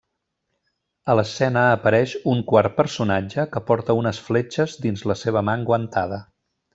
A l'escena apareix un quart personatge que porta unes fletxes dins la seva mà enguantada.